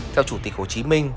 theo chủ tịch hồ chí minh